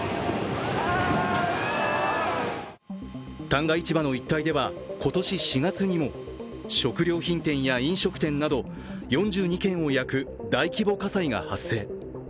旦過市場の一帯では今年４月にも食料品店や飲食店など４２軒を焼く大規模火災が発生。